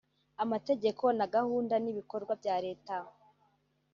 amategeko na gahunda n’ibikorwa bya Leta